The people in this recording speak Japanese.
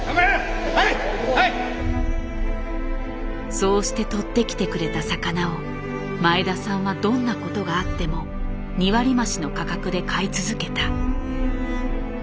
そうしてとってきてくれた魚を前田さんはどんなことがあっても２割増しの価格で買い続けた。